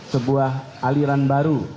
sebuah aliran baru